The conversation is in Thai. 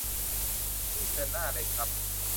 สิ้นเดือนหน้าเลยครับ